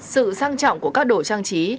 sự sang trọng của các đồ trang trí